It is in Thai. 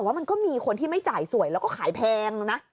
ว่ามันก็มีคนที่ไม่จ่ายสวยแล้วก็ขายแพงนะ